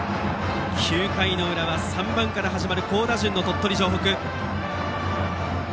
９回裏は３番から始まる好打順の鳥取城北。